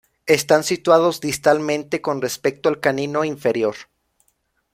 Están situados "distal"mente con respecto al canino inferior.